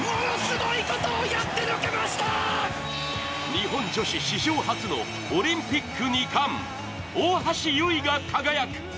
日本女子史上初のオリンピック２冠、大橋悠依が輝く！